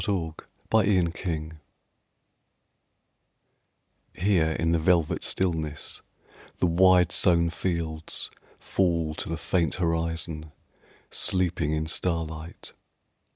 THE INDIA WHARF HERE in the velvet stillness The wide sown fields fall to the faint horizon, Sleeping in starlight.